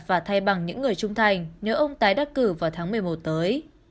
và thay bằng những người trung thành nếu ông tái đắc cử vào tháng một mươi một tới